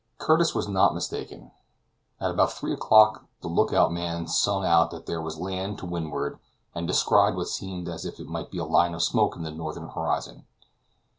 Curtis was not mistaken. At about three o'clock the look out man sung out that there was land to windward, and descried what seemed as if it might be a line of smoke in the northeast horizon.